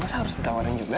masa harus ditawarin juga